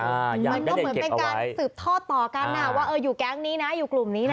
มันก็เหมือนเป็นการสืบทอดต่อกันว่าอยู่แก๊งนี้นะอยู่กลุ่มนี้นะ